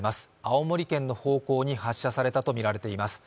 青森県の方向に発射されたとみられています。